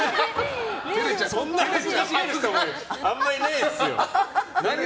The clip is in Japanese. そんな恥ずかしがる人あんまいないですよ。